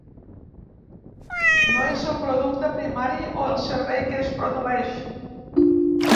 No és el producte primari o el servei que es produeix.